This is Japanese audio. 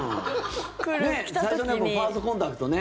最初のファーストコンタクトね。